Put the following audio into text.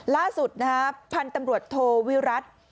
ล่าสุดนะฮะพันธุ์ตำรวจโทวิรัติ